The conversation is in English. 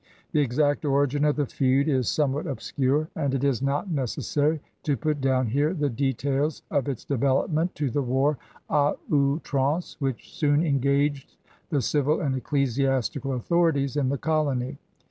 The exact origin of the feud is somewhat obscure; and it is not necessary to put down here the details of its development to the war ct ovirance which soon engaged the civil and ecclesiastical authorities in the colony.